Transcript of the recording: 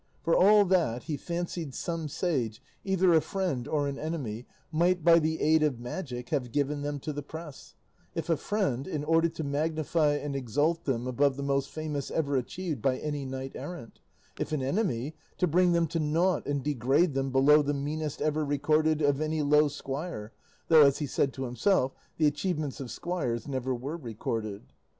For all that, he fancied some sage, either a friend or an enemy, might, by the aid of magic, have given them to the press; if a friend, in order to magnify and exalt them above the most famous ever achieved by any knight errant; if an enemy, to bring them to naught and degrade them below the meanest ever recorded of any low squire, though as he said to himself, the achievements of squires never were recorded.